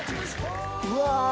うわ。